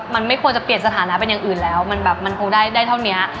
มันไม่ควรจะเปลี่ยนสถานะเป็นอย่างอื่นแล้วมันแบบมันคงได้เท่านี้